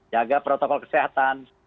jaga protokol kesehatan